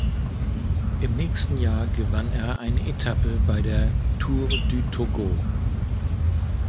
Im nächsten Jahr gewann er eine Etappe bei der Tour du Togo.